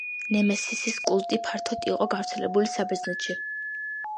ნემესისის კულტი ფართოდ იყო გავრცელებული საბერძნეთში.